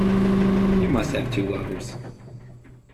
You must have two lovers!